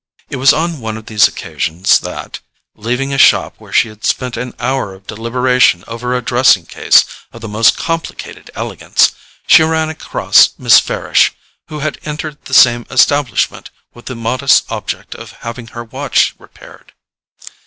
It was on one of these occasions that, leaving a shop where she had spent an hour of deliberation over a dressing case of the most complicated elegance, she ran across Miss Farish, who had entered the same establishment with the modest object of having her watch repaired.